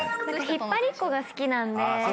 引っ張りっこが好きなんで。